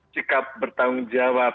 sikap bertanggung jawab